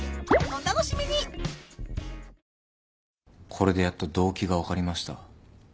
これでやっと動機が分かりました。